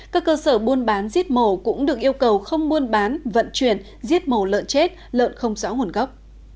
các cơ sở buôn bán giết mổ cũng được yêu cầu không buôn bán vận chuyển giết mổ lợn chết lợn không rõ nguồn gốc